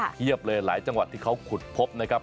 เลยหลายจังหวัดที่เขาขุดพบนะครับ